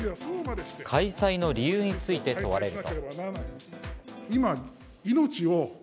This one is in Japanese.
開催の理由について問われると。